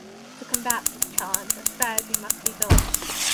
To combat this challenge, a strategy must be built.